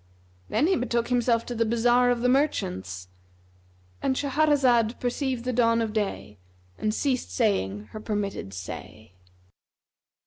Then he betook himself to the bazar of the merchants,—And Shahrazad perceived the dawn of day and ceased saying her permitted say.